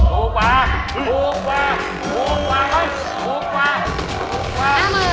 ถูกวะ